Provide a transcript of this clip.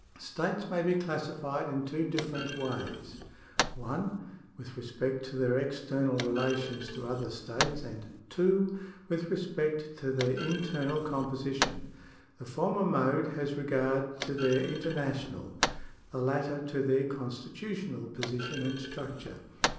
States may be classified in two different ways : (1) with respect to their external relations to other states and (2) with respect to their internal composition. The former mode has regard to their international, the latter to their constitu tional position and structure.